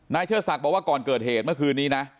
เชิดศักดิ์บอกว่าก่อนเกิดเหตุเมื่อคืนนี้นะ